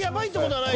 はい。